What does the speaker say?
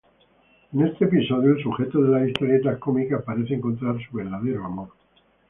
En este episodio, el sujeto de las historietas cómicas parece encontrar su verdadero amor.